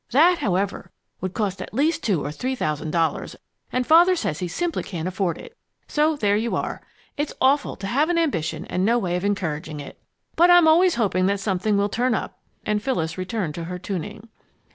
That, however, would cost at least two or three thousand dollars, and Father says he simply can't afford it. So there you are. It's awful to have an ambition and no way of encouraging it! But I'm always hoping that something will turn up." And Phyllis returned to her tuning.